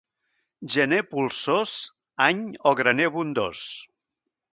Gener polsós, any o graner abundós.